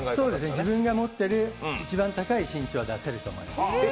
自分で持ってる一番高い身長は出せると思います。